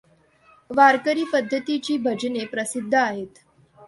वारकरी पद्धतीची भजने प्रसिद्ध आहेत.